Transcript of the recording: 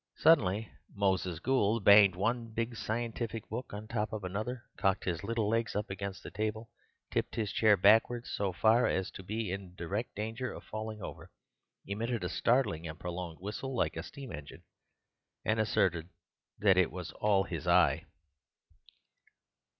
Suddenly Moses Gould banged one big scientific book on top of another, cocked his little legs up against the table, tipped his chair backwards so far as to be in direct danger of falling over, emitted a startling and prolonged whistle like a steam engine, and asserted that it was all his eye.